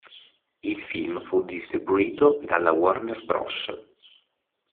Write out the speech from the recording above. Il film fu distribuito dalla Warner Bros.